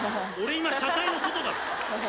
「俺今車体の外だろ。